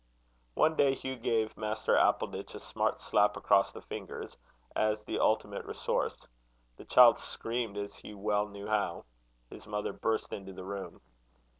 One day Hugh gave Master Appleditch a smart slap across the fingers, as the ultimate resource. The child screamed as he well knew how. His mother burst into the room.